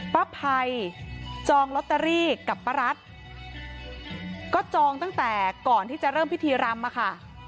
ป้าภัยจองลอตเตอรี่กับป้ารัฐก็จองตั้งแต่ก่อนที่จะเริ่มพิธีรำมาค่ะ